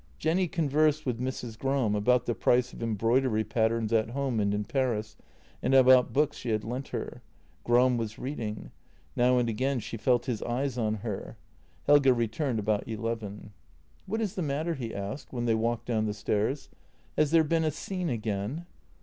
Jenny conversed with Mrs. Gram about the price of em broidery patterns at home and in Paris, and about books she had lent her. Gram was reading. Now and again she felt his eyes on her. Helge returned about eleven. JENNY 161 "What is the matter?" he asked, when they walked down the stairs. " Has there been a scene again?